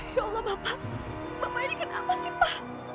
ya allah bapak bapak ini kenapa sih pak